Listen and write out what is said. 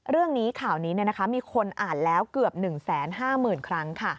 เรื่องนี้ข่าวนี้มีคนอ่านแล้วเกือบ๑๕๐๐๐ครั้ง